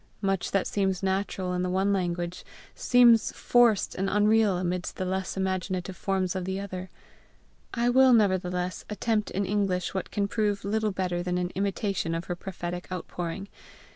Much that seems natural in the one language, seems forced and unreal amidst the less imaginative forms of the other. I will nevertheless attempt in English what can prove little better than an imitation of her prophetic outpouring.